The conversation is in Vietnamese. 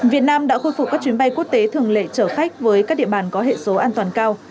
việt nam đã khôi phục các chuyến bay quốc tế thường lệ chở khách với các địa bàn có hệ số an toàn cao